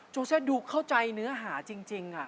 โซเซดูเข้าใจเนื้อหาจริง